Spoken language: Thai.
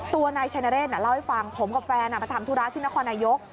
ตัวนายชัยนเรศน่ะเล่าให้ฟังผมกับแฟนอ่ะมาทำธุราชที่นครนายุกษ์